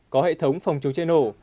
có hệ thống phòng chống chạy nổ